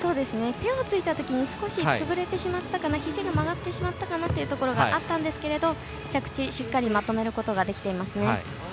手をついたときに少しつぶれてしまったかなひじが曲がってしまったかなというところがあったんですが着地、しっかりまとめることができていますね。